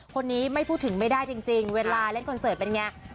คนนี้ไม่พูดถึงไม่ได้จริงเวลาเล่นคอนเสิร์ตเป็นไง